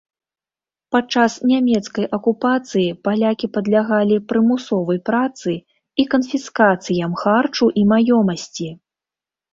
Падчас нямецкай акупацыі палякі падлягалі прымусовай працы і канфіскацыям харчу і маёмасці.